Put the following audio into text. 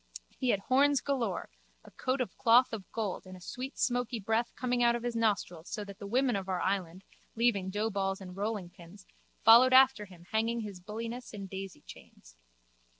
He had horns galore, a coat of cloth of gold and a sweet smoky breath coming out of his nostrils so that the women of our island, leaving doughballs and rollingpins, followed after him hanging his bulliness in daisychains.